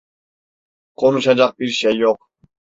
Konuşacak bir şey yok.